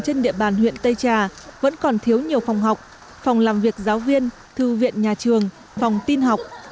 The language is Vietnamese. trên địa bàn huyện tây trà vẫn còn thiếu nhiều phòng học phòng làm việc giáo viên thư viện nhà trường phòng tin học